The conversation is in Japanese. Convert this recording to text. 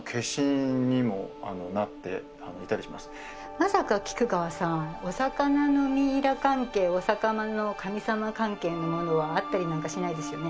まさか菊川さんお魚のミイラ関係お魚の神様関係のものはあったりなんかしないですよね？